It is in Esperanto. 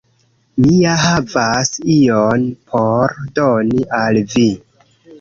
Mi ja havas ion por doni al vi